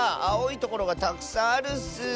あおいところがたくさんあるッス。